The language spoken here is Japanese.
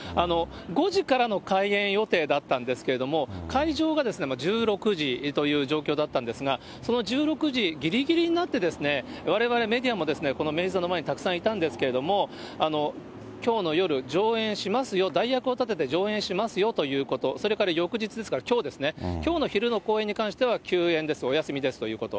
５時からの開演予定だったんですけれども、会場が１６時という状況だったんですが、その１６時ぎりぎりになってですね、われわれメディアもこの明治座の前にたくさんいたんですけれども、きょうの夜、上演しますよ、代役を立てて上演しますよということ、それから翌日、ですからきょうですね、きょうの昼の公演に関しては休演です、お休みですということ。